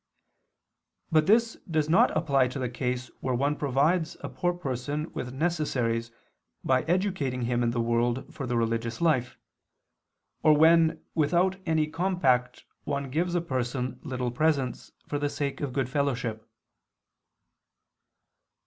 But this does not apply to the case where one provides a poor person with necessaries by educating him in the world for the religious life; or when without any compact one gives a person little presents for the sake of good fellowship.